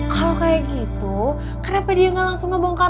kalau kayak gitu kenapa dia gak langsung ngomong kepadamu